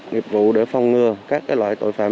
nhiệp vụ để phòng ngừa các cái loại tội phạm